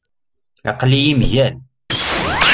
Aql-iyi mgal.